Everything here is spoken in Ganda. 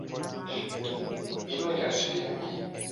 Birungi asibye enviiri.